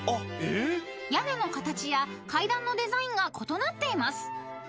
［屋根の形や階段のデザインが異なっています］